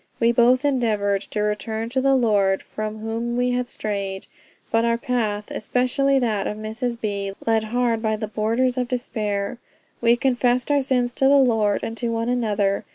We both endeavored to return to the Lord from whom we had strayed; but our path, especially that of Mrs. B. led hard by the borders of despair.... We confessed our sins to the Lord and to one another.